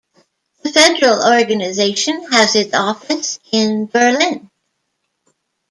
The federal organization has its office in Berlin.